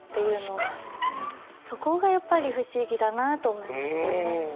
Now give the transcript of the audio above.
そこがやっぱり不思議だなと思いましたね。